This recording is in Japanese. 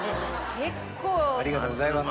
ありがとうございます。